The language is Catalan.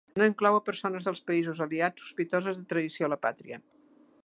No inclou a persones dels països Aliats sospitoses de traïció a la pàtria.